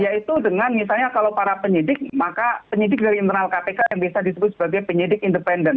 yaitu dengan misalnya kalau para penyidik maka penyidik dari internal kpk yang bisa disebut sebagai penyidik independen